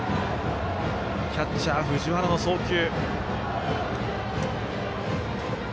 キャッチャー、藤原の送球。